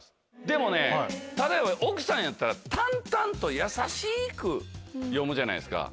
でもね例えば奥さんやったら淡々と優しく読むじゃないですか。